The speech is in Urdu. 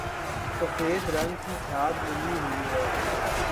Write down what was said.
سفید رنگ کی جھاگ ملی ہوئی ہے